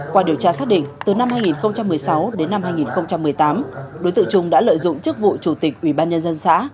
qua điều tra xác định từ năm hai nghìn một mươi sáu đến năm hai nghìn một mươi tám đối tượng trung đã lợi dụng chức vụ chủ tịch ủy ban nhân dân xã